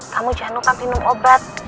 kamu jangan lupa minum obat